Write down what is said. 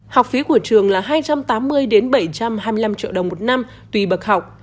học phí của trường là hai trăm tám mươi bảy trăm hai mươi năm triệu đồng một năm tùy bậc học